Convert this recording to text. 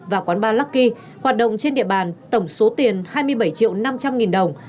và quán ba lucky hoạt động trên địa bàn tổng số tiền hai mươi bảy triệu năm trăm linh nghìn đồng